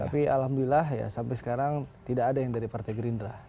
tapi alhamdulillah ya sampai sekarang tidak ada yang dari partai gerindra